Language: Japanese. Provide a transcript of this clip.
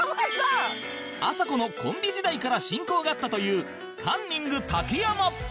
あさこのコンビ時代から親交があったというカンニング竹山